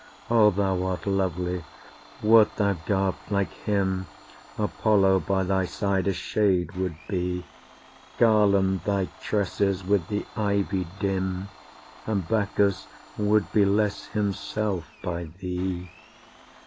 O thou art lovely! wert thou garbed like him, Apollo by thy side a shade would be. Garland thy tresses with the ivy dim And Bacchus would be less himself, by thee.